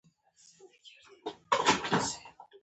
ازادي راډیو د اقلیتونه په اړه د سیاستوالو دریځ بیان کړی.